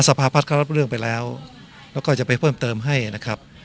ภาพัฒน์เขารับเรื่องไปแล้วแล้วก็จะไปเพิ่มเติมให้นะครับ